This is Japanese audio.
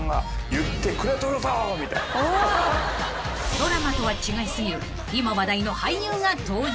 ［ドラマとは違い過ぎる今話題の俳優が登場］